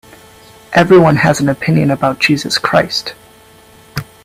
Everyone has an opinion about Jesus Christ.